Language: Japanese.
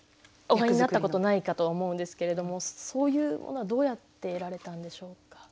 お会いになったことないかと思うんですけれどもそういうものはどうやって得られたんでしょうか？